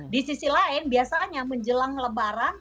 di sisi lain biasanya menjelang lebaran